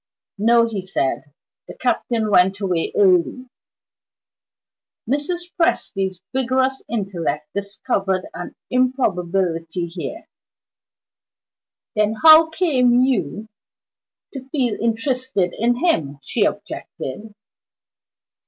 "No," he said "the Captain went away early." Mrs. Presty's vigorous intellect discovered an improbability here. "Then how came you to feel interested in him?" she objected.